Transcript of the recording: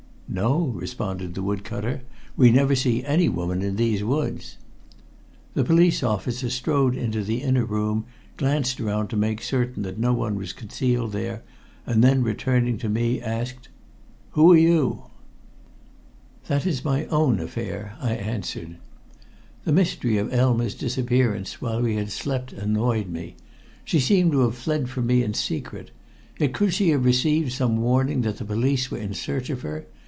"No," responded the wood cutter. "We never see any woman out in these woods." The police officer strode into the inner room, glanced around to make certain that no one was concealed there, and then returning to me asked, "Who are you?" "That is my own affair," I answered. The mystery of Elma's disappearance while we had slept annoyed me. She seemed to have fled from me in secret. Yet could she have received some warning that the police were in search of her?